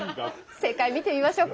正解見てみましょうか。